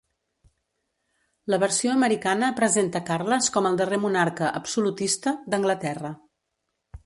La versió americana presenta Carles com al darrer monarca "absolutista" d'Anglaterra.